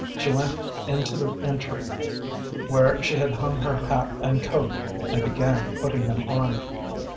She went into the entry, where she had hung her hat and coat, and began putting them on.